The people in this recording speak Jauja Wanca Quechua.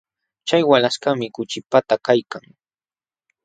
Chay walaśhkaqmi kuchipata kaykan.